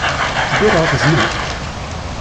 Bit off his nut.